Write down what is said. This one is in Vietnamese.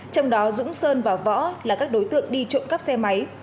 trong đó dũng sơn và võ là các đối tượng đi trộm cắp xe máy